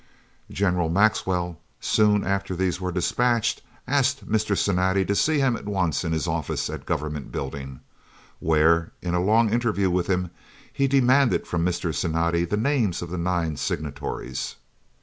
General Maxwell, soon after these were dispatched, asked Mr. Cinatti to see him at once in his office at Government Buildings, where, in a long interview with him, he demanded from Mr. Cinatti the names of the nine signatories.